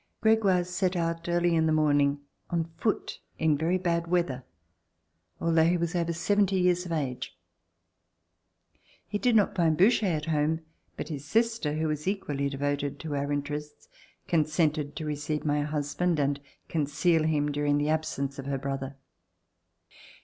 Gregoire set out early in the morning on foot In very bad weather, although he was over seventy years of age. He did not find Boucher at home, but his sister, who was equally devoted to our interests, consented to receive my husband and conceal him during the absence of her brother.